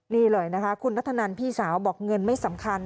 นี่เลยนะคะคุณนัทธนันพี่สาวบอกเงินไม่สำคัญ